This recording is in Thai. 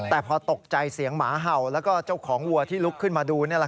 แต่พอตกใจเสียงหมาเห่าแล้วก็เจ้าของวัวที่ลุกขึ้นมาดู